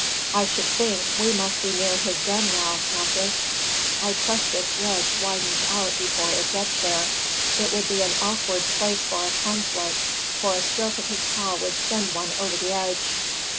"I should think we must be near his den now, Nessus. I trust this ledge widens out before it gets there. It would be an awkward place for a conflict, for a stroke of his paw would send one over the edge."